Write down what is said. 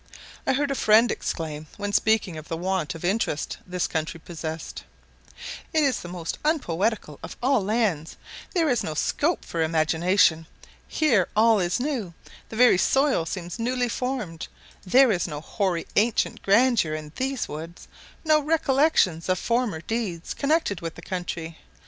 I heard a friend exclaim, when speaking of the want of interest this country possessed, "It is the most unpoetical of all lands; there is no scope for imagination; here all is new the very soil seems newly formed; there is no hoary ancient grandeur in these woods; no recollections of former deeds connected with the country.